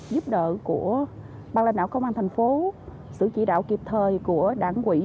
giúp đỡ của ban lãnh đạo công an thành phố sự chỉ đạo kịp thời của đảng quỹ